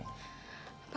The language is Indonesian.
terima kasih pak